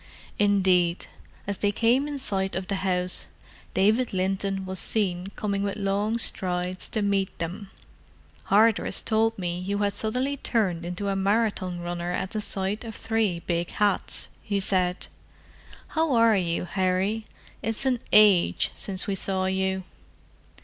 Indeed, as they came in sight of the house, David Linton was seen coming with long strides to meet them. "Hardress told me you had suddenly turned into a Marathon runner at the sight of three big hats!" he said. "How are you, Harry? It's an age since we saw you."